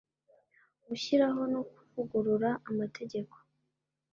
gushyiraho no kuvugurura amategeko